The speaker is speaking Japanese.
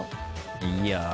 いや。